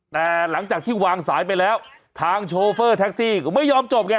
แต่หลังจากที่วางสายไปแล้วทางโชเฟอร์แท็กซี่ก็ไม่ยอมจบไง